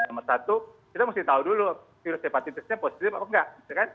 nomor satu kita mesti tahu dulu virus hepatitisnya positif apa enggak